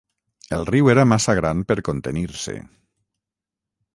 El riu era massa gran per contenir-se.